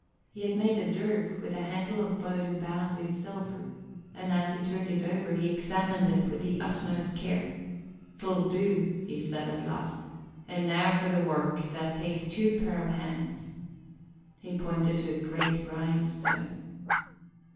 He had made a dirk with a handle of bone bound with silver, and, as he turned it, he examined it with utmost care. "'Twill do," he said at last, "and noo for the wark that takes twa pair o' hands." He pointed to a great grindstone.